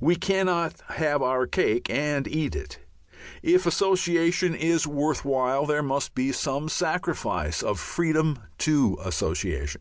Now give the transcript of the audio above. We cannot have our cake and eat it. If association is worth while, there must be some sacrifice of freedom to association.